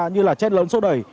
như là chen lớn sốt đẩy